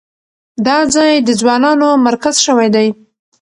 دا ځای د ځوانانو مرکز شوی دی.